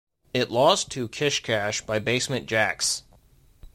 It lost to "Kish Kash" by Basement Jaxx.